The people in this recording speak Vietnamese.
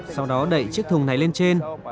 sau đó đậy chiếc thùng này lên trên